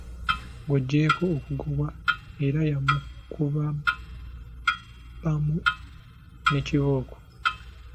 Ng’oggyeeko okugobwa era yamukubamu ne kibooko.